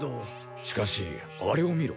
しかしあれを見ろ。